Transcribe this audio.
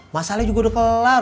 masalahnya juga udah kelar